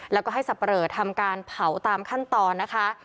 แล้วก็ให้สับปะเหลอทำการเผาตามขั้นตอนนะคะ